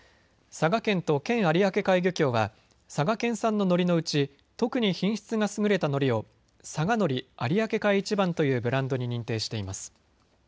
佐賀県と県有明海漁協は佐賀県産ののりのうち特に品質が優れたのりを佐賀海苔有明海一番というブランドに認定しています。